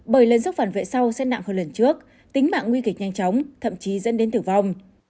bởi lần giúp phản vệ sau sẽ nặng hơn lần trước tính mạng nguy kịch nhanh chóng thậm chí dẫn đến tử vong